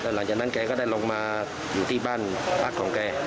หลังจากนั้นแกก็ได้ลงมาอยู่ที่บ้านพักของแก